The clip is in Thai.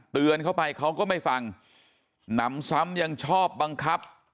เตือนเข้าไปเขาก็ไม่ฟังหนำซ้ำยังชอบบังคับ